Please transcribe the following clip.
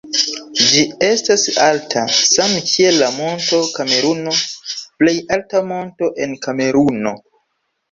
Ĝi estas alta, same kiel la Monto Kameruno, plej alta monto en Kameruno.